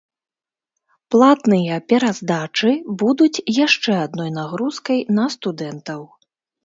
Платныя пераздачы будуць яшчэ адной нагрузкай на студэнтаў.